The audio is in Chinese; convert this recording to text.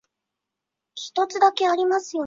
琼崖粗叶木为茜草科粗叶木属下的一个种。